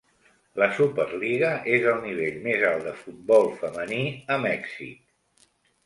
La Superliga és el nivell més alt de futbol femení a Mèxic.